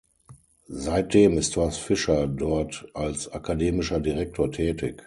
Seitdem ist Horst Fischer dort als akademischer Direktor tätig.